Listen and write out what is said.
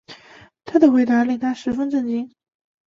他的回答令她十分震惊